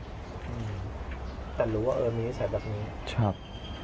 แต่รู้ว่าเอิร์ทมีความรู้สึกแบบนี้ใช่ครับ